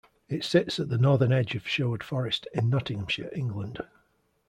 It sits at the northern edge of Sherwood Forest, in Nottinghamshire, England.